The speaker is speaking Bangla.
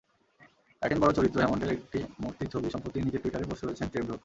অ্যাটেনবরোর চরিত্র হ্যামন্ডের একটি মূর্তির ছবি সম্প্রতি নিজের টুইটারে পোস্ট করেছেন ট্রেভরো।